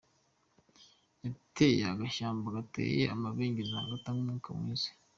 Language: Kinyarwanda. Hateye agashyamba gateye amabengeza, gatanga umwuka mwiza.